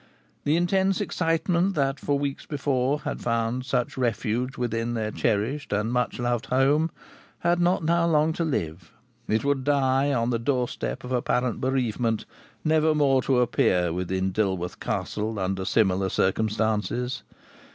The intense excitement that for weeks before had found such refuge within their cherished and much loved home had not long now to live: it would die on the doorstep of apparent bereavement never more to appear within Dilworth Castle under similar circumstances.